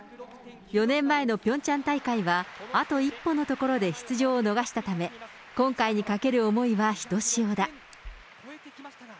４年前のピョンチャン大会は、あと一歩のところで出場を逃したため、今回にかける思いはひとしおだ。